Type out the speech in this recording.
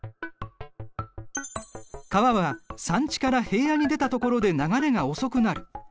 川は山地から平野に出たところで流れが遅くなる。